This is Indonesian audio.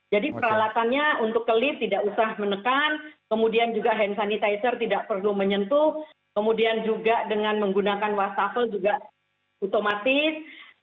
jadi peralatannya untuk kelih tidak usah menekan kemudian juga hand sanitizer tidak perlu menyentuh kemudian juga dengan menggunakan wastafel juga otomatis